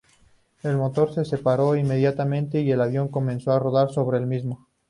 El motor se separó inmediatamente y el avión comenzó a rotar sobre sí mismo.